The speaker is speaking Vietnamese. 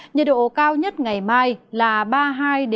nhiệt độ cao nhất ngày mai là ba mươi hai ba mươi năm độ sau đó giảm nhẹ